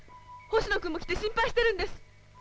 ホシノ君も来て心配してるんです。